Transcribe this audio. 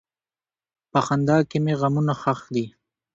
په خندا کې مې غمونه ښخ دي.